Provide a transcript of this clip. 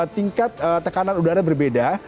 tingkat tekanan udara berbeda